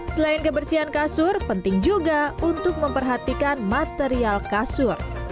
selain kebersihan kasur penting juga untuk memperhatikan material kasur